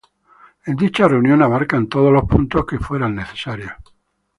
En dicha reunión abarcan todos los puntos que sean necesarios.